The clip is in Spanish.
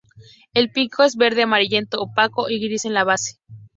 El pico es verde amarillento opaco y gris en la base.